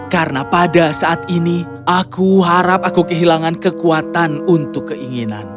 karena pada saat ini aku harap aku kehilangan kekuatan untuk keinginan